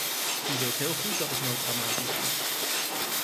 U weet heel goed dat ik nooit dramatisch doe.